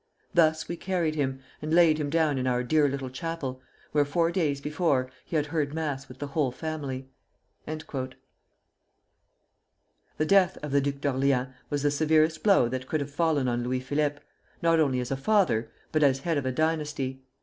Thus we carried him, and laid him down in our dear little chapel, where four days before he had heard mass with the whole family." [Footnote 1: Marshal Gérard was then mourning for his son.] The death of the Duke of Orleans was the severest blow that could have fallen on Louis Philippe, not only as a father, but as head of a dynasty.